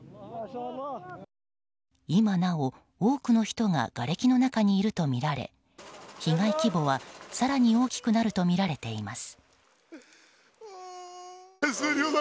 今なお、多くの人ががれきの中にいるとみられ被害規模は更に大きくなるとみられています。